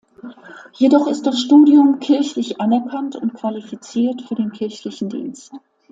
Jedoch ist das Studium kirchlich anerkannt und qualifiziert für den kirchlichen Dienst.